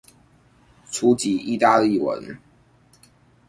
初級義大利文